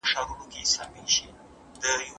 فساد ټولنه د ویجاړۍ او بدبختۍ خواته بیايي.